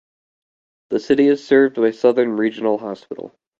The city is served by Southern Regional Hospital.